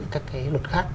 các cái luật khác